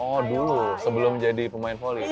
oh dulu sebelum jadi pemain volley